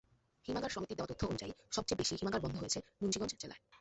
হিমাগার সমিতির দেওয়া তথ্য অনুযায়ী, সবচেয়ে বেশি হিমাগার বন্ধ হয়েছে মুন্সিগঞ্জ জেলায়।